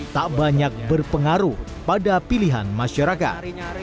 tak banyak berpengaruh pada pilihan masyarakat